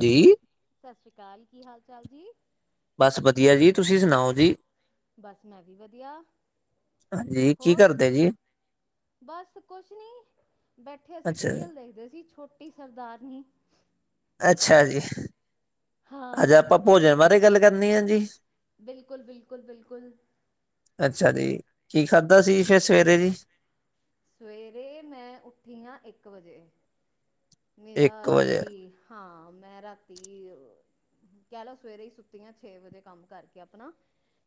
ਜੀ ਸਤਿ ਸ੍ਰੀ ਅਕਾਲ, ਕੀ ਹਾਲ ਚਾਲ ਜੀ ਬਸ ਵਧੀਆ ਜੀ, ਤੁਸੀਂ ਸੁਣਾਓ ਜੀ ਬਸ ਮੈਂ ਵੀ ਵਧੀਆ, ਹਾਂਜੀ ਕੀ ਹੋਰ ਕਰਦੇ ਜੀ ਬਸ ਕੁਛ ਨੀ, ਬੈਠੇ ਅਸੀਂ ਅੱਛਾ ਸੀਰੀਅਲ ਦੇਖਦੇ ਸੀ ਛੋਟ ਇਕ ਸਰਦਾਰਨੀ ਅੱਛਾ ਜੀ, ਅੱਜ ਹਾਂ ਆਪਾਂ ਭੋਜਨ ਬਾਰੇ ਗੱਲ ਕਰਨੀ ਆ ਜੀ ਬਿਲਕੁਲ-ਬਿਲਕੁਲ, ਬਿਲਕੁਲ ਅੱਛਾ ਜੀ, ਕੀ ਖਾਧਾ ਸੀ ਫਿਰ ਸਵੇਰੇ ਜੀ ਸਵੇਰੇ ਮੈਂ ਉੱਠੀ ਹਾਂ ਇੱਕ ਵਜੇ ਇੱਕ ਮੇਰਾ ਵਜੇ ਰਾਤੀ, ਹਾਂ ਮੈਂ ਰਾਤੀ ਅ। ਕਹਿ ਲਓ ਸਵੇਰੇ ਹੀ ਸੁੱਤੀ ਆਂ ਛੇ ਵਜੇ ਕੰਮ ਕਰਕੇ ਆਪਣਾ,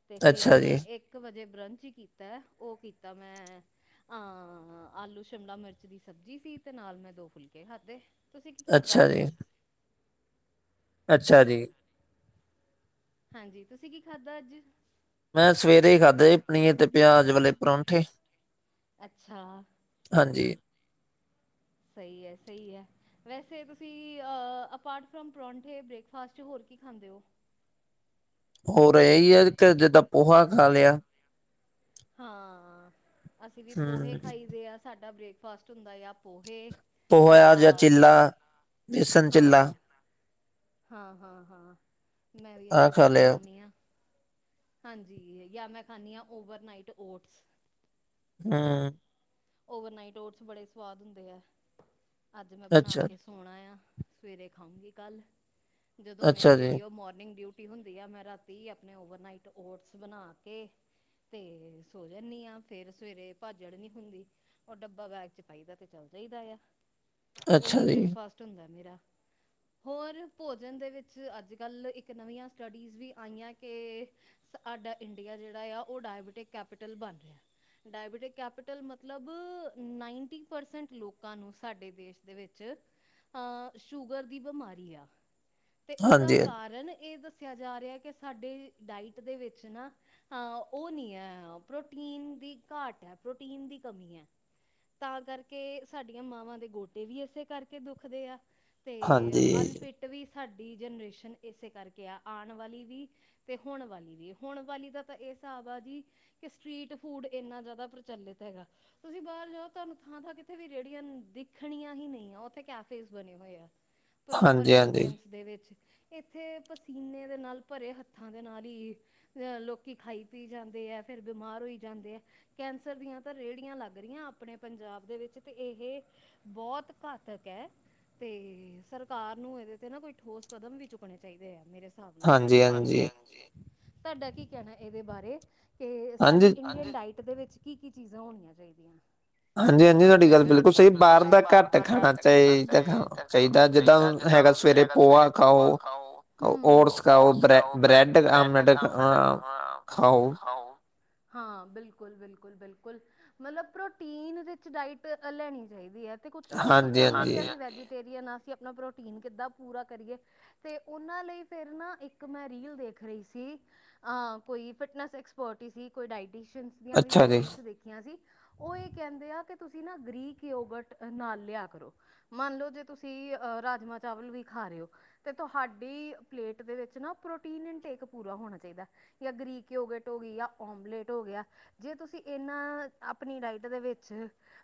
ਤੇ ਫਿਰ ਅੱਛਾ ਮੈਂ ਜੀ ਇੱਕ। ਇੱਕ ਵਜੇ ਬ੍ਰੰਚ ਹੀ ਕੀਤਾ, ਉਹ ਕੀਤਾ ਮੈਂ ਅ ਹਾਂ ਅ, ਆਲੂ ਸ਼ਿਮਲਾ ਮਿਰਚ ਦੀ ਸਬਜ਼ੀ ਸੀ ਤੇ ਨਾਲ ਮੈਂ ਦੋ ਫੁਲਕੇ ਖਾਦੇ। ਤੇ, ਤੁਸੀਂ ਕੀ ਖਾਧਾ। ਅੱਛਾ ਜੀ ਅੱਛਾ ਜੀ। ਹਾਂਜੀ, ਤੁਸੀਂ ਕੀ ਖਾਧਾ ਅੱਜ। ਮੈਂ ਸਵੇਰੇ ਹੀ ਖਾਧੇ, ਪਨੀਰ ਤੇ ਪਿਆਜ ਵਾਲੇ ਪਰੌਂਠੇ ਅੱਛਾ ਹਾਂਜੀ ਸਹੀ ਹੈ, ਸਹੀ ਹੈ ਵੈਸੇ ਤੁਸੀਂ ਅਪਾਰਟ ਫਰੋਮ ਪਰੌਂਠੇ ਬ੍ਰੇਕਫਾਸਟ 'ਚ ਹੋਰ ਕੀ ਖਾਂਦੇ ਹੋ ਹੋ ਇਹੀ ਆ, ਜਿੱਦਾਂ ਪੋਹਾ ਖਾ ਲਿਆ ਹਾਂ, ਅਸੀਂ ਵੀ ਪੋਹੇ ਹਮ ਖਾਈਦੇ ਆ, ਸਾਡਾ ਬ੍ਰੇਕਫਾਸਟ ਹੁੰਦਾ ਆ ਪੋਹੇ ਪੋਹਾ ਜਾਂ ਚਿਲਾ, ਬੇਸਣ ਚਿੱਲਾ ਹਾਂ ਹਾਂ- ਹਾਂ, ਹਾਂ, ਮੈਂ ਵੀ ਆਹ ਇਹੀਓ ਖਾ ਕੁਛ ਲਿਆ ਖਾਂਦੀ ਹਾਂ ਹਾਂਜੀ, ਜਾਂ ਮੈਂ ਖਾਂਦੀ ਹਾਂ ਓਵਰਨਾਈਟ ਓਟਸ ਹਮ ਓਵਰਨਾਈਟ ਓਟਸ ਬੜੇ ਸਵਾਦ ਹੁੰਦੇ ਆ, ਅੱਜ ਮੈਂ ਬਣਾ ਅੱਛਾ ਕੇ ਸੋਣਾ ਆ, ਸਵੇਰੇ ਖਾਊਂਗੀ ਕੱਲ੍ਹ, ਜਦੋਂ ਮੇਰੀ ਅੱਛਾ ਜੀ ਰੇਡੀਓ ਮੋਰਨਿੰਗ ਡਿਊਟੀ ਛੁੱਟੀ ਹੁੰਦੀ ਆ, ਮੈਂ ਰਾਤੀ ਆਪਣੇ ਓਵਰਨਾਈਟ ਓਟਸ ਬਣਾ ਕੇ ਤੇ ਸੋ ਜਾਂਦੀ ਆਂ, ਫੇਰ ਸਵੇਰੇ ਭੱਜੜ ਨੀ ਪੈਂਦੀ। ਉਹ ਡੱਬਾ ਬੈਗ 'ਚ ਪਾਈਦਾ ਤੇ ਚੱਲ ਜਾਈਦਾ ਆ, ਇਹੀ ਅੱਛਾ ਜੀ ਬ੍ਰੇਕਫਾਸਟ ਹੁੰਦਾ ਮੇਰਾ। ਹੋਰ ਭੋਜਨ ਦੇ ਵਿੱਚ, ਅੱਜ- ਕੱਲ੍ਹ ਇੱਕ ਨਵੀਆਂ ਸਟੱਡੀਜ਼ ਵੀ ਆਈਆਂ ਕੇ। ਸਾਡਾ ਇੰਡੀਆ ਜਿਹੜਾ ਆ, ਉਹ ਡਾਇਬਟਿਕ ਕੈਪੀਟਲ ਬਣ ਰਿਹਾ, ਡਾਇਬਟਿਕ ਕੈਪੀਟਲ ਮਤਲਬ ਮਤਲਬ ਨਾਈਨਟੀ ਪਰਸੈਂਟ ਲੋਕਾਂ ਨੂੰ ਸਾਡੇ ਦੇਸ਼ ਦੇ ਵਿੱਚ। ਅਹ ਸ਼ੂਗਰ ਦੀ ਬਿਮਾਰੀ ਆ, ਤੇ ਉਹਦਾ ਹਾਂਜੀ ਕਾਰਨ ਇਹ ਦ ਸ। ਦੱਸਿਆ ਜਾ ਰਿਹਾ, ਕਿ ਸਾਡੇ ਡਾਇਟ ਦੇ ਵਿੱਚ ਨਾ। ਹਾਂ ਉਹ ਨਹੀਂ ਹੈ, ਪ੍ਰੋਟੀਨ ਦੀ ਘਾਟ ਹੈ। ਪ੍ਰੋਟੀਨ ਦੀ ਕਮੀ ਹੈ, ਤਾਂ ਕਰਕੇ ਸਾਡੀਆਂ ਮਾਵਾਂ ਦੇ ਗੋਡੇ ਵੀ ਇਸੇ ਕਰਕੇ ਦੁਖਦੇ ਆ। ਤੇ ਹਾਂਜੀ ਅਨਫਿੱਟ ਵੀ ਸਾਡੀ ਜਨਰੇਸ਼ਨ ਇਸੇ ਕਰਕੇ ਆ ਆਉਣ ਵਾਲੀ ਵੀ। ਤੇ ਹੁਣ ਵਾਲੀ ਵੀ, ਹੁਣ ਵਾਲੀ ਦਾ ਤਾਂ ਇਹ ਹਿਸਾਬ ਆ ਜੀ। ਕਿ ਸਟਰੀਟ ਫੂਡ ਇੰਨਾ ਜ਼ਿਆਦਾ ਪ੍ਰਚਲਿਤ ਹੈਗਾ। ਤੁਸੀਂ ਬਾਹਰ ਜਾਓ, ਤੁਹਾਨੂੰ ਥਾਂ- ਥਾਂ ਕਿਤੇ ਵੀ ਰੇਹੜੀਆਂ ਦੇਖਣੀਆਂ ਹੀ ਨਹੀਂ ਆ, ਉੱਥੇ ਕੈਫੇਸ ਬਣੇ ਹੋਏ ਆ। ਪ੍ਰੋਪਰ ਹਾਂਜੀ-ਹਾਂਜੀ, ਐਬੀਐਂਸ ਦੇ ਵਿੱਚ। ਇੱਥੇ ਪਸੀਨੇ ਦੇ ਨਾਲ ਭਰੇ ਹੱਥਾਂ ਦੇ ਨਾਲ ਹੀ। ਅ ਲੋਕੀ ਖਾਈ ਪੀ ਜਾਂਦੇ ਹੈ। ਫੇਰ ਬਿਮਾਰ ਹੋਈ ਜਾਂਦੇ ਆ ਕੈਂਸਰ ਦੀਆਂ ਤਾਂ। ਰੇਹੜੀਆਂ ਲੱਗ ਰਹੀਆਂ ਆਪਣੇ ਪੰਜਾਬ ਦੇ ਵਿੱਚ ਤੇ ਇਹ ਹ ਬਹੁਤ ਘਾਤਕ ਹੈ। ਤੇ ਸਰਕਾਰ ਨੂੰ ਇਹਦੇ ਤੇ ਨਾ, ਕੋਈ ਠੋਸ ਕਦਮ ਵੀ ਚੁੱਕਣੇ ਚਾਹੀਦੇ ਆ। ਮੇਰੇ ਹਿਸਾ- ਬ, ਨਾਲ ਹਾਂਜੀ- ਹਾਂਜੀ-ਹਾਂਜੀ, ਹਾਂਜੀ ਤੁਹਾਡਾ ਕੀ ਕਹਿਣਾ ਇਹਦੇ ਬਾਰੇ। ਕਿ ਸਾਡੀ ਹਾਂਜੀ। ਇੰਡੀਅਨ ਡਾਇਟ ਦੇ ਵਿੱਚ ਕੀ- ਕੀ ਚੀਜ਼ਾਂ ਹੋਣੀਆਂ ਚਾਹੀਦੀਆਂ। ਹਾਂਜੀ- ਹਾਂਜੀ ਤੁਹਾਡੀ ਗੱਲ ਬਿਲਕੁਲ ਸਹੀ ਬਾਹਰ ਦਾ ਘੱਟ ਖਾਣਾ ਚਾਹੀਦਾ, ਖਾਣਾ ਚਾਹੀਦਾ। ਜਿਦਾਂ ਹੁਣ ਹੈੇਗਾ ਸਵੇਰੇ ਪੋਹਾ ਖਾਓ, ਹੂੰ ਓਟਸ ਖਾਓ, ਬ੍ਰੈਡ ਆਮਲੇਟ। ਹਾ ਖਾਓ। ਹਾਂ ਬਿਲਕੁਲ-ਬਿਲਕੁਲ, ਬਿਲਕੁਲ ਮਤਲਬ ਪ੍ਰੋਟੀਨ ਵਿੱਚ ਡਾਇਟ ਲੈਣੀ ਚਾਹੀਦੀ ਹੈ। ਤੇ ਕੁਛ ਲੋਕ ਕਹਿੰਦੇ ਆ ਕਿ, ਹਾਂਜੀ-ਹਾਂਜੀ, ਅਸੀਂ ਵੈਜੀਟੇਰੀਅਨ ਆ। ਅਸੀਂ ਆਪਣਾ ਪ੍ਰੋਟੀਨ ਕਿੱਦਾਂ ਪੂਰਾ ਕਰੀਏ। ਤੇ ਉਹਨਾਂ ਲਈ ਫੇਰ ਨਾ, ਇੱਕ ਮੈਂ ਰੀਲ ਦੇਖ ਰਹੀ ਸੀ। ਅ ਕੋਈ ਫਿਟਨੈਸ ਐਕਸਪਰਟਿ ਹੀ ਸੀ। ਕੋਈ ਡਾਇਟਿਸ਼ਨ ਦੀ ਵੀ ਅੱਛਾ ਮੈਂ ਜੀ, ਰੀਲ ਦੇਖ। ਸੀ। ਉਹ ਇਹ ਕਹਿੰਦੇ ਆ ਕਿ ਤੁਸੀਂ ਨਾ ਗਰੀਕ ਯੋਗਟ ਨਾਲ ਲਿਆ ਕਰੋ। ਮੰਨ ਲਓ ਜੇ ਤੁਸੀਂ ਰਾਜਮਾਂ ਚਾਵਲ ਵੀ ਖਾ ਰਹੇ ਹੋ। ਤੇ ਤੁਹਾਡੀ ਪਲੇਟ ਦੇ ਵਿੱਚ ਨਾ ਪ੍ਰੋਟੀਨ ਇਨ ਟੇਕ ਪੂਰਾ ਹੋਣਾ ਚਾਹੀਦਾ। ਜਾਂ ਗਰੀਕ ਯੋਗਟ ਹੋ ਗਈ, ਜਾਂ ਓਮਲੇਟ ਹੋ ਗਿਆ। ਜੇ ਤੁਸੀਂ ਇਹ ਅ। ਨਾ ਆਪਣੀ ਡਾਈਟ ਦੇ ਵਿੱਚ,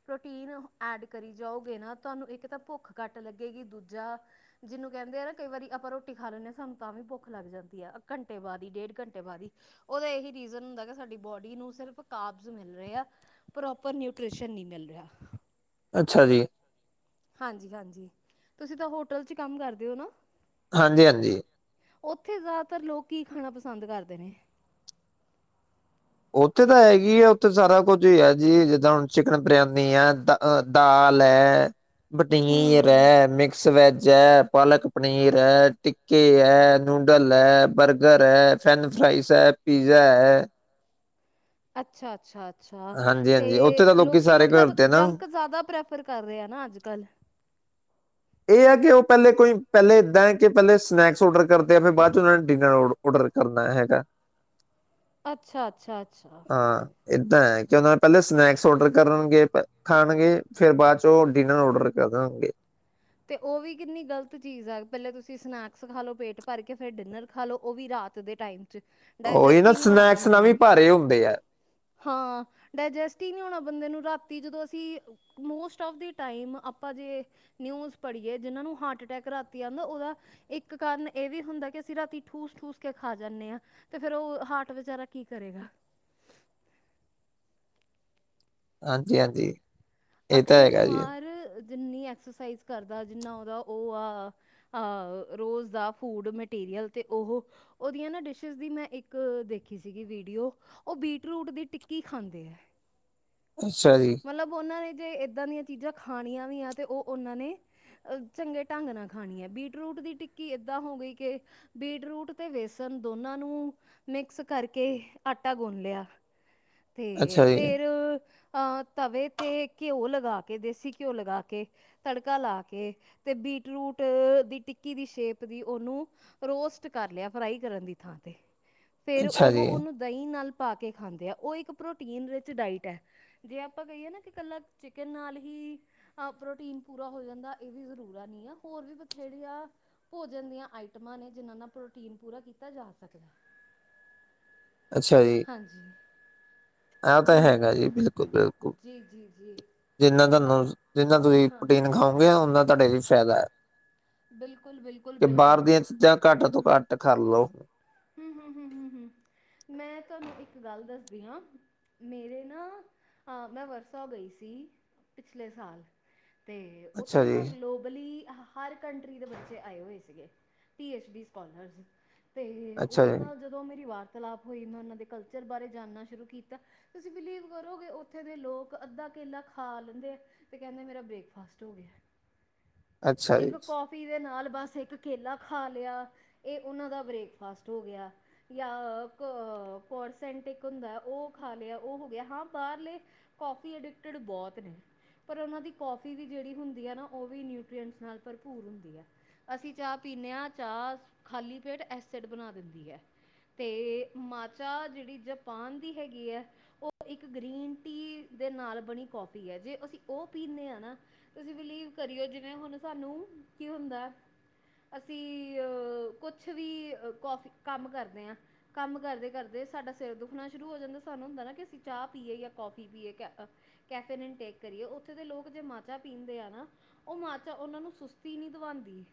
ਪ੍ਰੋਟੀਨ ਐਡ ਕਰੀ ਜਾਓਗੇ ਨਾ, ਤੁਹਾਨੂੰ ਇੱਕ ਤਾਂ ਭੁੱਖ ਘੱਟ ਲੱਗੇਗੀ। ਦੂਜਾ- ਜਿਹਨੂੰ ਕਹਿੰਦੇ ਆ ਨਾ ਕਈ ਵਾਰੀ ਆਪਾਂ ਰੋਟੀ ਖਾ ਲੈਂਦੇ ਹਾਂ, ਸਾਨੂੰ ਤਾਂ ਵੀ ਭੁੱਖ ਲੱਗ ਜਾਂਦੀ ਆ। ਘੰਟੇ ਬਾਅਦ ਹੀ, ਡੇਢ ਘੰਟੇ ਬਾਅਦ ਹੀ। ਉਹਦਾ ਇਹੀ ਰੀਜ਼ਨ ਹੁੰਦਾ ਕਿ, ਸਾਡੀ ਬੋਡੀ ਨੂੰ ਸਿਰਫ ਕ- ਮਿਲ ਰਿਹਾ ਆ। ਪ੍ਰੋਪਰ ਨਿਊਟਿਸ਼ਨ ਨਹੀਂ ਮਿਲ ਰਿਹਾ। ਅੱਛਾ ਜੀ। ਹਾਂਜੀ- ਹਾਂਜੀ ਤੁਸੀਂ ਤਾਂ ਹੋਟਲ ਚ ਕੰਮ ਕਰਦੇ ਹੋ ਨਾ? ਹਾਂਜੀ- ਹਾਂਜੀ। ਉੱਥੇ ਜ਼ਿਆਦਾਤਰ ਲੋਕ ਕੀ ਖਾਣਾ ਪਸੰਦ ਕਰਦੇ ਨੇ। ਉੱਥੇ ਤਾਂ ਹੈਗੀ ਆ। ਉੱਥੇ ਸਾਰਾ ਕੁੱਝ ਹੀ ਹੈ ਜੀ, ਜਿੱਦਾਂ ਹੁਣ ਚਿਕਨ ਬਰਿਆਨੀ ਆ ਤ- ਅ ਦਾਲ ਹੈ, ਪਨੀਰ ਹਮ ਹੈ, ਮਿਕਸ ਵੈਜ ਹੈ, ਪਾਲਕ ਪਨੀਰ ਹੈ, ਟਿੱਕੇ ਹੈ, ਨੂਡਲ ਹੈ, ਬਰਗਰ ਹੈ, ਫੈਨ ਫਰਾਈਸ ਹੈ। ਪੀਜ਼ਾ ਹੈ। ਅੱਛਾ-ਅੱਛਾ, ਅੱਛਾ ਤੇ ਹਾਂਜੀ-ਹਾਂਜੀ ਉੱਥੇ ਤਾਂ ਲੋਕੀ ਸਾਰੇ ਮਤਲਬ ਕਰਦੇ ਆ ਨਾ। ਜੰਕ ਜ਼ਿਆਦਾ ਪ੍ਰੈਫ- ਫਰ ਕਰ ਰਿਹਾ ਆ ਨਾ, ਅੱਜ ਕੱਲ। ਇਹ ਹੈ ਕਿ ਉਹ, ਪਹਿਲੇ ਕੋਈ ਪਹਿਲੇ ਇੱਦਾਂ ਹੈ ਕਿ ਪਹਿਲੇ ਸਨੈਕਸ ਔਰਡਰ ਕਰਦੇ ਆ। ਫੇਰ ਬਾਅਦ ਚ ਉਹਨਾਂ ਨੇ ਡਿਨਰ ਆਰਡਰ ਕ- ਔਡਰ ਕਰਦਾ ਏ ਹੈਗਾ। ਅੱਛਾ-ਅੱਛਾ, ਅੱਛਾ। ਹਾਂ ਏਦਾ ਹੈ ਕਿ, ਉਹਨਾਂ ਨੇ ਪਹਿਲੇ ਸਨੈਕਸ ਔਡਰ ਕਰਨਗੇ। ਖਾਣਗੇ ਫੇਰ ਬਾਅਦ ਚੋ ਉਹ ਡਿਨਰ ਔਡਰ ਕਰਾਗੇ। ਤੇ ਉਹ ਵੀ ਕਿੰਨੀ ਗ਼ਲਤ ਚੀਜ਼ ਆ। ਪਹਿਲੇ ਤੁਸੀਂ ਸਨੈਕਸ ਖਾ ਲਓ, ਪੇਟ ਭਰ ਕੇ ਫੇਰ ਡਿਨਰ, ਖਾ ਲੋ ਉਹ ਵੀ ਰਾਤ ਦੇ ਟਾਈਮ ਚ। ਉਹੀ ਡਾਇਜੈਸਟ ਨਾ, ਹੀ ਨਹੀਂ ਹੋਣਾ ਸਨੈਕਸ ਬੰਦੇ ਨਾਲ ਵੀ ਨੂੰ ਭਾਰੇ ਹੁੰਦੇ ਆ। ਹਾਂ ਡਾਇਜੈਸਟ ਹੀ ਨਹੀ ਹੋਣਾ ਬੰਦੇ ਨੂੰ, ਰਾਤੀ ਜਦੋਂ ਅਸੀਂ ਮੋਸਟ ਆਫ ਦੀ ਟਾਈਮ ਆਪਾਂ ਜੇ, ਨਿਊਜ਼ ਪੜੀਏ ਜਿਹਨਾਂ ਨੂੰ ਹਾਰਟ ਅਟੈਕ ਰਾਤੀ ਆਉਂਦਾ। ਉਹਦਾ, ਇੱਕ ਕਾਰਨ ਇਹ ਵੀ ਹੁੰਦਾ ਕਿ ਅਸੀਂ, ਰਾਤੀ ਠੂਸ- ਠੂਸ ਕੇ ਖਾ ਜਾਂਦੇ ਹਾਂ। ਤੇ ਫੇਰ ਉਹ ਹਾਰਟ ਵਿਚਾਰਾ ਕੀ ਕਰੇਗਾ। ਹਾਂਜੀ- ਹਾਂਜੀ। ਇਹ ਤਾਂ ਅਕਸ਼ੈ ਹੈਗਾ ਜੀ ਕੁਮਾਰ ਜਿੰਨੀ ਐਕਸਰਸਾਈਜ਼ ਕਰਦਾ, ਜਿੰਨਾ ਉਹਦਾ ਉਹ ਆ। ਅ ਰੋਜ਼ ਦਾ ਫੂਡ ਮਟੀਰੀਅਲ ਤੇ ਉਹ, ਉਹਦੀਆਂ ਨਾ ਡਿਸ਼ਿਸ ਦੀ ਮੈਂ, ਇੱਕ ਦੇਖੀ ਸੀਗੀ ਵੀਡੀਓ। ਉਹ ਬੀਟਰੂਟ ਦੀ ਟਿੱਕੀ ਖਾਂਦੇ ਹੈ। ਅੱਛਾ ਜੀ। ਮਤਲਬ ਉਹਨਾਂ ਨੇ ਜੇ ਏਦਾ ਦੀਆਂ ਚੀਜ਼ਾਂ ਖਾਣੀਆਂ ਵੀ ਆ ਤੇ ਉਹ ਉਹਨਾਂ ਨੇ ਨਾ। ਅਹ ਚੰਗੇ ਢੰਗ ਨਾਲ ਖਾਣੀ ਹੈ, ਬੀਟਰੂਟ ਦੀ ਟਿੱਕੀ ਏਦਾਂ ਹੋ ਗਈ ਕਿ। ਬੀਟਰੂਟ ਤੇ ਵੇਸਨ ਦੋਨਾਂ ਨੂੰ, ਮਿਕਸ ਕਰਕੇ ਆਟਾ ਗੁੰਨ ਲਿਆ। ਤੇ ਅੱਛਾ ਜੀ, ਫਿਰ ਅਹ ਤਵੇ ਤੇ ਘਿਓ ਲਗਾ ਕੇ, ਦੇਸੀ ਘਿਓ ਲਗਾ ਕੇ। ਤੜਕਾ ਲਾ ਕੇ ਤੇ ਬੀਟ ਰੂਟ ਦੀ ਟਿੱਕੀ ਦੀ ਸ਼ੇਪ ਦੀ ਉਹਨੂੰ। ਰੋਸਟ ਕਰ ਲਿਆ ਫਰਾਈ ਕਰਨ ਦੀ ਥਾਂ ਤੇ। ਫਿਰ ਅੱਛਾ ਉਹ ਜੀ, ਉਹਨੂੰ ਦਹੀਂ ਨਾਲ ਪਾ ਕੇ ਖਾਂਦੇ ਆ, ਉਹ ਇੱਕ ਪ੍ਰੋਟੀਨ ਵਿੱਚ ਡਾਇਟ ਹੈ। ਜੇ ਆਪਾਂ ਕਹੀਏ ਨਾ ਕਿ ਇਕੱਲਾ ਚਿਕਨ ਨਾਲ ਹੀ। ਹਾਂ ਪ੍ਰੋਟੀਨ ਪੂਰਾ ਹੋ ਜਾਂਦਾ ਇਹ ਵੀ ਜਰੂਰਤ ਨਹੀ ਆ ਹੋਰ ਵੀ ਬਥੇਰੀ ਆ। ਭੋਜਨ ਦੀਆਂ ਆਈਟਮਾਂ ਨੇ ਜਿਨਾਂ ਨਾਲ ਪ੍ਰੋਟੀਨ ਪੂਰਾ ਕੀਤਾ ਜਾ ਸਕਦਾ ਹੈ। ਅੱਛਾ ਜੀ। ਹਾਂਜੀ। ਆਹ ਤਾਂ ਹੈਗਾ ਜੀ, ਬਿਲਕੁਲ ਬਿਲਕੁਲ। ਜਿੰਨਾ ਤੁਹਾਨੂੰ, ਜਿੰਨਾ ਤੁਸੀਂ ਪ੍ਰੋਟੀਨ ਖਾਓਗੇ ਓਨਾ ਤੁਹਾਡੇ ਲਈ ਫ਼ਾਇਦਾ ਹੈ। ਕਿ ਬਾਹਰ ਦੀਆਂ ਚੀਜ਼ਾਂ, ਘੱਟ ਤੋਂ ਘੱਟ ਕਰਲੋ। ਹਮ ਹਮ ਹਮ ਹਮ ਹਮ ਮੈਂ ਤੁਹਾਨੂੰ, ਇੱਕ ਗੱਲ ਦੱਸਦੀ ਹਾਂ। ਮੇਰੇ ਨਾ, ਮੈਂ ਵਰਸਾ ਗਈ ਸੀ ਪਿਛਲੇ ਸਾਲ। ਤੇ ਅੱਛਾ ਉੱਥੇ ਜੀ, ਨਾ ਗਲੋਬਲੀ ਇਹ। ਹਰ ਕੰਟਰੀ ਦੇ ਬੱਚੇ ਆਏ ਹੋਏ ਸੀਗੇ ਪੀ ਐੱਚ ਡੀ ਸਕੋਲਰਸ ਅਤੇ ਅੱਛਾ ਉਹਨਾਂ ਜੀ, ਨਾਲ ਜਦੋਂ। ਜਦੋਂ ਮੇਰੀ ਵਾਰਤਾਲਲਾਪ ਹੋਈ ਮੈਂ ਉਹਨਾਂ ਦੇ ਕਲਚਰ ਬਾਰੇ ਜਾਣਨਾ ਸ਼ੁਰੂ ਕੀਤਾ। ਤੁਸੀਂ ਬਿਲੀਵ ਕਰੋਗੇ ਉੱਥੇ ਦੇ ਲੋਕ, ਅੱਧਾ ਕੇਲਾ ਖਾ ਲੈਂਦੇ ਆ। ਤੇ ਕਹਿੰਦੇ ਮੇਰਾ ਬ੍ਰੇਕਫਾਸਟ ਹੋ ਗਿਆ, ਅੱਛਾ ਜੀ, ਇੱਕ ਕੌਫੀ। ਜਿਦੇ ਨਾਲ ਬਸ ਇੱਕ ਕੇਲਾ ਖਾ ਲਿਆ, ਇਹ ਉਹਨਾਂ ਦਾ ਬ੍ਰੇਕਫਾਸਟ ਹੋ ਗਿਆ। ਜਾਂ ਕੋਰਸੈਂਟਿਕ ਹੁੰਦਾ ਉਹ ਖਾ ਲਿਆ ਉਹ ਹੋ, ਗਿਆ ਹਾਂ ਬਾਹਰਲੇ। ਕੌਫੀ ਅਡਿਕਟਡ ਬਹੁਤ ਨੇ। ਪਰ ਉਹਨਾਂ ਦੀ ਕੌਫੀ ਵੀ ਜਿਹੜੀ ਹੁੰਦੀ ਆ ਨਾ, ਉਹ ਵੀ ਨਿਊਟਰੀਐਂਟਸ ਨਾਲ ਭਰਪੂਰ ਹੁੰਦੀ ਆ। ਅਸੀਂ ਚਾਹ ਪੀਂਦੇ ਹਾਂ ਚਾਹ, ਖਾਲੀ ਪੇਟ ਐਸਿਡ ਬਣਾ ਦਿੰਦੀ ਹੈ। ਤੇ ਮਾਜਾ ਜਿਹੜੀ ਜਪਾਨ ਦੀ ਹੈਗੀ ਹੈ। ਉਹ ਇੱਕ ਗ੍ਰੀਨ ਟੀ ਦੇ ਨਾਲ ਬਣੀ ਕੋਫੀ ਹੈ, ਜੇ ਅਸੀਂ ਉਹ ਪੀਂਦੇ ਹਾਂ ਨਾ। ਤੁਸੀਂ ਬਿਲੀਵ ਕਰੀਓ ਜਿਵੇਂ ਹੁਣ ਸਾਨੂੰ ਕੀ ਹੁੰਦਾ। ਅਸੀਂ ਅ ਕੁਛ ਵੀ ਕਾਫੀ ਕੰਮ ਕਰਦੇ ਹਾਂ। ਕੰਮ ਕਰਦੇ ਕਰਦੇ ਸਾਡਾ ਸਿਰ ਦੁਖਣਾ ਸ਼ੁਰੂ ਹੋ, ਜਾਂਦਾ ਸਾਨੂੰ ਹੁੰਦਾ ਨਾ ਕਿ ਅਸੀਂ ਚਾਹ ਪੀਏ ਜਾਂ ਕੌਫੀ ਪੀਏ ਕਿਆ। ਕੈਫੇ ਟੇਕ ਕਰੀਏ ਉੱਥੇ ਦੇ ਲੋਕ ਜੇ ਮਜੇਹ ਪੀਂਦੇ ਆ ਨਾ। ਉਹ ਮਾਜਾਂ ਉਹਨਾਂ ਨੂੰ ਸੁਸਤੀ ਨਹੀਂ ਦਿਵਾਉਂਦੀ।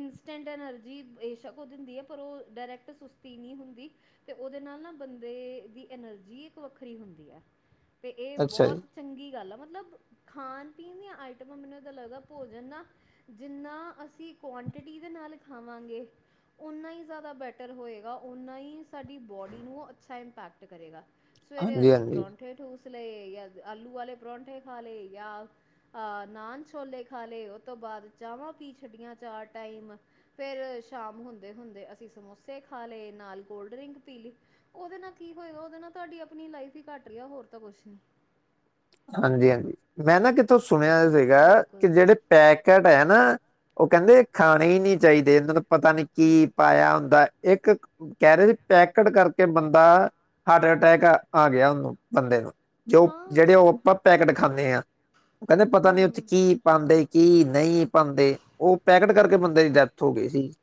ਇੰਸਟੈਂਟ ਐਨਰਜੀ ਬੇਸ਼ੱਕ ਉਹ ਦਿੰਦੀ ਹੈ, ਪਰ ਉਹ ਡਾਇਰੈਕਟ ਸੁਸਤੀ ਨਹੀਂ ਹੁੰਦੀ। ਤੇ ਉਹਦੇ ਨਾਲ ਨਾ ਬੰਦੇ ਦੀ ਐਨਰਜੀ ਇੱਕ ਵੱਖਰੀ ਹੁੰਦੀ ਹੈ ਤੇ ਇਹ ਅੱਛਾ ਜੀ ਬਹੁਤ। ਚੰਗੀ ਗੱਲ ਆ ਮਤਲਬ ਖਾਣ ਪੀਣ ਦੀਆਂ ਆਈਟਮਾਂ ਮੈਨੂੰ ਏਦਾਂ ਲੱਗਦਾ ਭੋਜਨ ਨਾ। ਜਿੰਨਾ ਅਸੀਂ ਕੁਆਂਟਿਟੀ ਦੇ ਨਾਲ ਖਾਵਾਂਗੇ, ਓਨਾ ਹੀ। ਜ਼ਿਆਦਾ ਬੈਟਰ ਹੋਏਗਾ ਓਨਾ ਹੀ, ਸਾਡੀ ਬੋਡੀ ਨੂੰ ਅੱਛਾ ਇੰਪੈਕਟ ਕਰੇਗਾ। ਸਵੇਰੇ ਹਾਂਜੀ, ਅਸੀਂ ਹਾਂਜੀ ਪਰੌਂਠੇ ਠੂਸ ਲਏ ਜਾਂ, ਆਲੂ ਵਾਲੇ ਪਰੌਂਠੇ ਖਾ ਲਏ ਜਾਂ। ਆਹ ਨਾਨ ਛੋਲੇ ਖਾ ਲਏ, ਉਹ ਤੋਂ ਬਾਅਦ ਚਾਵਾਂ ਪੀ ਛੱਡੀਆਂ ਚਾਰ ਟਾਈਮ। ਫੇਿਰ ਸ਼ਾਮ ਹੁੰਦੇ ਹੁੰਦੇ ਅਸੀਂ ਸਮੋਸੇ ਖਾ, ਲਏ ਨਾਲ ਕੋਲਡ ਡਰਿੰਕ ਪੀ ਲਈ। ਉਹਦੇ ਨਾਲ ਕੀ ਹੋਏਆ, ਉਹਦੇ ਨਾਲ ਤੁਹਾਡੀ ਆਪਣੀ ਲਾਈਫ ਹੀ ਘੱਟ ਰਿਹੀ ਹੋਰ ਤਾਂ ਕੁਛ ਨੀ। ਹਾਂਜੀ ਹਾਂਜੀ ਮੈਂ ਨਾ ਕਿਥੋਂ ਸੁਣਿਆ ਸੀਗਾ ਕਿ, ਬਿਲਕੁਲ ਜਿਹੜੇ ਪੈਕੇਟ ਹੈ ਨਾ। ਉਹ ਕਹਿੰਦੇ ਖਾਣੇ ਹੀ ਨਹੀਂੀ ਚਾਹੀਦੇ ਇਹਨਾਂ, ਦਾ ਪਤਾ ਨੀ ਕੀ ਪਾਇਆ ਹੁੰਦਾ ਇੱਕ। ਕਹਿਰੇ ਪੈਕਟ ਕਰਕੇ ਬੰਦਾ ਹਾਰਟ ਅਟੈਕ ਆ ਗਿਆ ਉਹਨੂੰ ਬੰਦੇ ਨੂੰ। ਜੋ ਹਾਂ ਜਿਹੜੇ ਉਹ। ਆਪਾਂ ਪੈਕੇਟ ਖਾਂਦੇ ਹਾਂ ਉਹ ਕਹਿੰਦੇ ਪਤਾ ਨਹੀਂ ਉੱਥੇ ਵਿਚ ਹੂੰ ਕੀ ਪਾਉਂਦੇ ਕੀ ਨਹੀਂ। ਪਾਾਂਦੇ ਉਹ ਪੈਕਟ ਕਰਕੇ ਬੰਦੇ ਦੀ ਡੈਥ ਹੋ ਗਈ ਸੀ ਪਾ।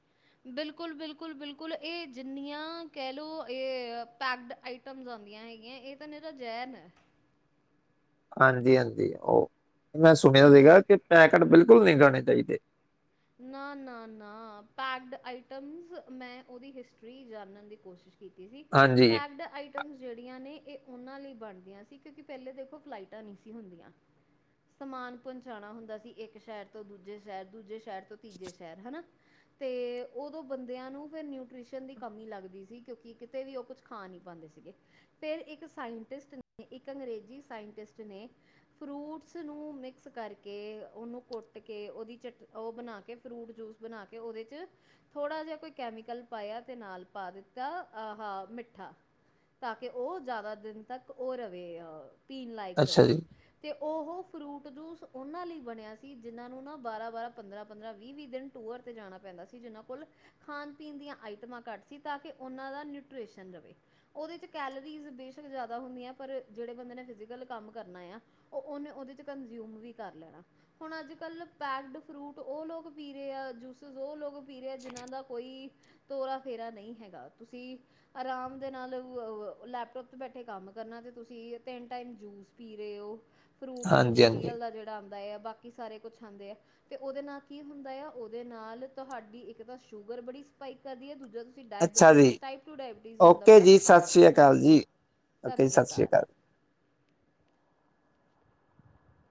ਬਿਲਕੁਲ ਬਿਲਕੁਲ ਬਿਲਕੁਲ ਇਹ ਜਿੰਨੀਆਂ ਕਹਿ ਲਓ ਇਹ ਪੈਕਡ ਆਈ ਟਮ ਜਾਂਦੀਆਂ ਹੈਗੀਆਂ ਇਹ ਤਾਂ ਨਿਰਾ ਜ਼ੈਨ ਹੈ ਹਾਂਜੀ ਹਾਂਜੀ ਉਹ ਮੈਂ ਸੁਣਿਆ ਹੂੰ ਹੂੰ ਸੀਗਾ ਕਿ ਪੈਕਟ ਬਿਲਕੁਲ ਨਹੀਂ ਗਾਣੇ ਚਾਹੀਦੇ। ਨਾ ਨਾ ਨਾ ਪੈਕਡ ਆਈਟਮਸ ਮੈਂ ਉਦੀ ਹਿਸਟਰੀ ਜਾਣਨ ਦੀ ਕੋਸ਼ਿਸ਼ ਕੀਤੀ ਸੀ ਹਾਂਜੀ ਪੈਕਡ ਆਈਟਮ ਜਿਹੜੀਆਂ ਨੇ ਇਹ ਉਨਾਂ ਲਈ ਬਣਦੀਆਂ ਸੀ ਕਿਉਂਕਿ ਪਹਿਲੇ ਦੇਖੋ ਫਲਾਈਟਾਂ ਨਹੀਂ ਸੀ ਹੁੰਦੀਆਂ। ਸਮਾਨ ਪਹੁੰਚਾਣਾ ਹੁੰਦਾ ਸੀ ਇੱਕ ਸ਼ਹਿਰ ਤੋਂ ਦੂਜੇ ਸ਼ਹਿਰ ਦੂਜੇ ਸ਼ਹਿਰ ਤੋਂ ਤੀਜੇ ਸ਼ਹਿਰ ਹਨਾ। ਤੇ ਉਦੋਂ ਬੰਦਿਆਂ ਨੂੰ ਫਿਰ ਨਿਊਟ੍ਰੀਸ਼ਨ ਦੀ ਕਮੀ ਲੱਗਦੀ ਸੀ ਕਿਉਂਕਿ ਕਿਤੇ ਵੀ ਉਹ ਕੁਛ ਖਾ ਨਹੀਂ ਪਾਂਦੇ ਸੀਗੇ। ਫੇਿਰ ਇੱਕ ਸਾਇੰਟਿਸਟ ਨੇ ਇੱਕ ਅੰਗਰੇਜ਼ੀ ਸਾਇੰਟਿਸਟ ਨੇ ਫਰੂਟਸ ਨੂੰ ਮਿਕਸ ਕਰਕੇ ਉਨੂੰ ਕੁੱਟ ਕੇ ਉਦੀ ਚਟ ਉਹ ਬਣਾ ਕੇ ਕੇ ਫਰੂਟ ਜੂਸ ਬਣਾ ਕੇ ਉਦੇ ਚ ਥੋੜ੍ਹਾ ਜਿਹਾ ਕੋਈ ਕੈਮੀਕਲ ਪਾਇਆ ਤੇ ਨਾਲ ਪਾ ਦਿੱਤਾ ਆਹ ਮਿੱਠਾ ਤਾਂ ਕਿ ਉਹ ਜ਼ਿਆਦਾ ਦਿਨ ਤੱਕ ਉਹ ਰਹੇ ਅਹ ਪੀਣ ਲਾਇਕ ਅੱਛਾ ਰਹੇ ਜੀ ਤੇ ਉਹ ਫਰੂਟ ਜੂਸ ਉਨਾਂ ਲਈ ਬਣਿਆ ਸੀ ਜਿਨਾਂ ਨੂੰ ਨਾ ਬਾਰਾਂ ਬਾਰਾਂ ਪੰਦਰਾਂ ਪੰਦਰਾਂ ਵੀਹ ਵੀਹ ਦਿਨ ਟੂਅਰ ਤੇ ਜਾਣਾ ਪੈਂਦਾ ਸੀ ਜਿਨਾਂ ਕੋਲ ਖਾਣ ਪੀਣ ਦੀਆਂ ਆਈਟਮਾਂ ਘੱਟ ਸੀ ਤਾਂ ਕਿ ਉਨਾਂ ਦਾ ਨਿਊਟ੍ਰਿਸ਼ਨ ਰਹੇ ਉਦੇ ਚ ਕੈਲਰੀਜ਼ ਬੇਸ਼ੱਕ ਜ਼ਿਆਦਾ ਹੁੰਦੀ ਆ ਪਰ ਜਿਹੜੇ ਬੰਦੇ ਨੇ ਫਿਜੀਕਲ ਕੰਮ ਕਰਨਾ ਆ ਉਹ ਉਨੇ ਉਦੇ ਚ ਕੰਜ਼ਿਊਮ ਵੀ ਕਰ ਲੈਣਾ ਹੁਣ ਅੱਜ ਕੱਲ ਪੈਕਡ ਫਰੂਟ ਉਹ ਲੋਕ ਪੀ ਰਹੇ ਆ ਜੂਸਿਸ ਉਹ ਲੋਕ ਪੀ ਰਹੇ ਆ ਜਿਨਾਂ ਦਾ ਕੋਈ ਤੋਰਾ ਫੇਰਾ ਨਹੀਂ ਹੈਗਾ ਤੁਸੀਂ ਆਰਾਮ ਦੇ ਨਾਲ ਲੈਪਟੋਪ ਤੇ ਬੈਠੇ ਕੰਮ ਕਰਨਾ ਤੇ ਤੁਸੀਂ ਤਿੰਨ ਟਾਈਮ ਜੂਸ ਪੀ ਰਹੇ ਓ ਫਰੂਟ ਹਾਂਜੀ ਜੂਸ ਹਾਂਜੀ ਰੀਅਲ ਦਾ ਜਿਹੜਾ ਆਂਦਾ ਆ ਬਾਕੀ ਸਾਰੇ ਕੁਛ ਆਂਦੇ ਆ ਅਤੇ ਉਹਦੇ ਨਾਲ ਕੀ ਹੁੰਦਾ ਆ ਉਹਦੇ ਨਾਲ ਤੁਹਾਡੀ ਇੱਕ ਤਾਂ ਸ਼ੂਗਰ ਬੜੀ ਸਪਾਈਕ ਕਰਦੀ ਹੈ ਦੂਜਾ ਤੁਸੀਂ ਅੱਛਾ ਜੀ ਡਾਇਬਟੀਜ਼ ਟਾਈਪ ਟੂ ਡਾਇਬਟੀਜ਼ ਹੋਣ ਦਾ ਓਕੇ ਬੜਾ ਜੀ ਖ਼ਤਰਾ ਸਤਿ ਸ੍ਰੀ ਰਹਿੰਦਾ ਅਕਾਲ ਜੀ ਓਕੇ ਸਤਿ ਜੀ ਸ਼੍ਰੀ ਸ੍ਰੀ ਅਕਾਲ।